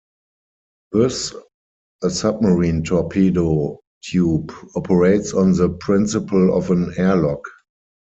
Thus a submarine torpedo tube operates on the principle of an airlock.